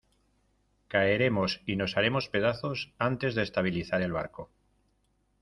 caeremos y nos haremos pedazos antes de estabilizar el barco.